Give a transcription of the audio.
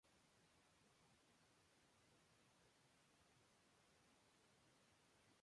Al parecer, era pariente de "Oviraptor", pero un poco más pequeño.